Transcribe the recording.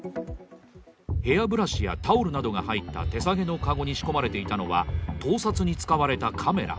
ヘアブラシやタオルなどが入った手提げの籠に仕込まれていたのは盗撮に使われたカメラ。